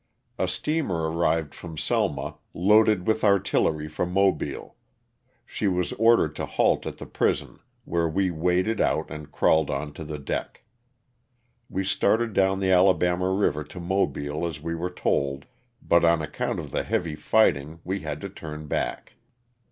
A steamer arrived from Selma, loaded with artillery for Mobile; she was ordered to halt at the prison, where we waded out and crawled on to the deck. We started down the Alabama river to Mobile as we were told, but on account of the heavy fighting we had to turn back.